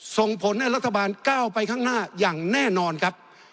ส่งผลให้รัฐบาลก้าวไปข้างหน้าอย่างแน่นอนครับ